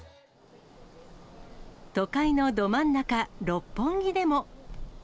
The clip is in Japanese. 都会のど真ん中、六本木でも。